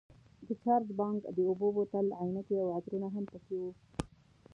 د چارج بانک، د اوبو بوتل، عینکې او عطرونه هم پکې وو.